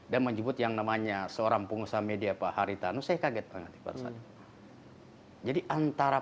dan menyebut yang namanya seorang pengusaha media pak harita nus saya kaget banget jadi antara